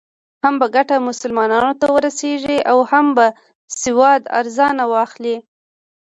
هم به ګټه مسلمانانو ته ورسېږي او هم به سودا ارزانه واخلې.